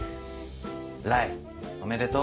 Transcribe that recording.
ライおめでとう。